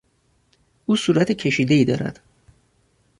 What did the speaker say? او صورت کشیدهای دارد.